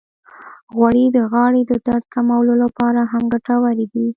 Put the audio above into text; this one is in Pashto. غوړې د غاړې د درد کمولو لپاره هم ګټورې دي.